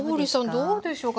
どうでしょうか？